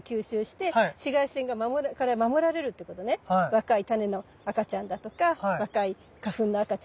若いタネの赤ちゃんだとか若い花粉の赤ちゃんが。